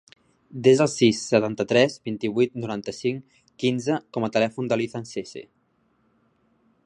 Desa el sis, setanta-tres, vint-i-vuit, noranta-cinc, quinze com a telèfon de l'Ethan Sese.